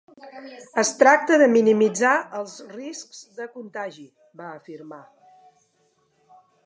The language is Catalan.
Es tracta de minimitzar els riscs de contagi, va afirmar.